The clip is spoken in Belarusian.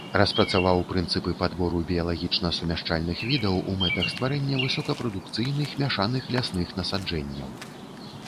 Распрацаваў прынцыпы падбору біялагічна сумяшчальных відаў у мэтах стварэння высокапрадукцыйных мяшаных лясных насаджэнняў.